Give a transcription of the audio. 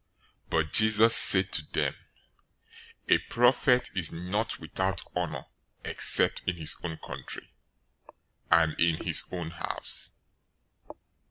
But Jesus said to them, "A prophet is not without honor, except in his own country, and in his own house."